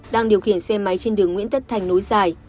đang điều khiển xe máy trên đường nguyễn tất thành nối dài